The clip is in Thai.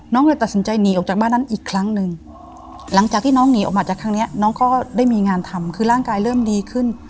เลยตัดสินใจหนีออกจากบ้านนั้นอีกครั้งหนึ่งหลังจากที่น้องหนีออกมาจากครั้งนี้น้องก็ได้มีงานทำคือร่างกายเริ่มดีขึ้น